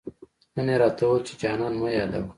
نن يې راته وويل، چي جانان مه يادوه